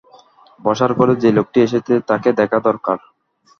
বসার ঘরে যে-লোকটি এসেছে তাকে দেখা দরকার।